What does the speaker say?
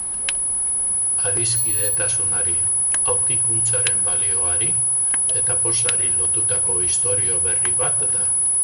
Adiskidetasunari, aurkikuntzaren balioari eta pozari lotutako istorio berri bat da.